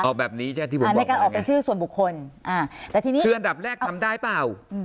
ออกแบบนี้ใช่ที่ผมบอกว่าไงในการออกเป็นชื่อส่วนบุคคลแต่ทีนี้คืออันดับแรกทำได้เปล่า